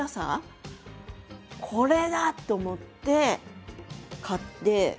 これだ！と思って買って。